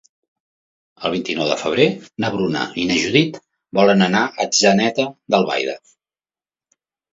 El vint-i-nou de febrer na Bruna i na Judit volen anar a Atzeneta d'Albaida.